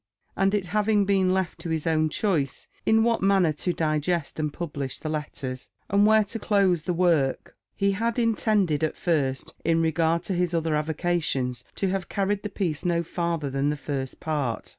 And it having been left to his own choice, in what manner to digest and publish the letters, and where to close the work, he had intended, at first, in regard to his other avocations, to have carried the piece no farther than the First Part.